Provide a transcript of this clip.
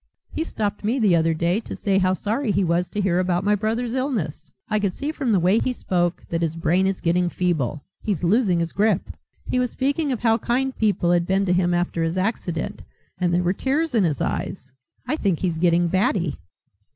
He stopped me the other day to say how sorry he was to hear about my brother's illness. I could see from the way he spoke that his brain is getting feeble. He's losing his grip. He was speaking of how kind people had been to him after his accident and there were tears in his eyes. I think he's getting batty."